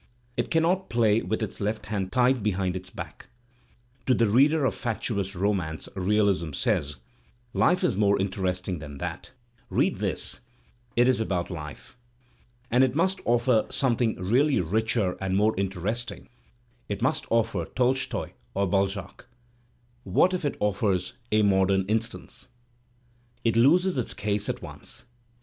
It cannot play with its left hand tied behind i back. To the reader of fatuous romance, ReaUsm says: ''life is more interesting than that; read this; it is about Digitized by Google \ 284 THE SPIRIT OF AMERICAN LITERATURE life." And it must offer something really richer and more interesting; it must o£Per Tolstoy or Balzac. What if it offers "A Modem Instance?" It loses its case at once.